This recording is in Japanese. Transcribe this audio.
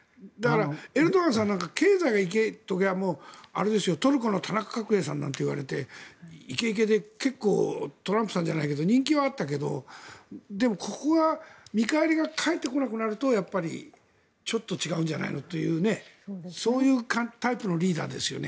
エルドアンさんなんかは経済がいい時はトルコの田中角栄さんなんていわれてイケイケで結構、トランプさんじゃないけど人気はあったけどここは見返りが返ってこなくなるとちょっと違うんじゃないのというリーダーですよね。